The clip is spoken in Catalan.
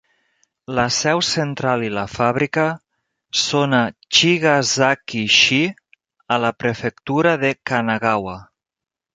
La seu central i la fàbrica són a Chigasaki-shi, a la prefectura de Kanagawa.